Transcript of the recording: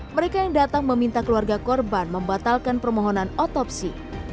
mereka yang datang meminta keluarga korban membatalkan permohonan otopsi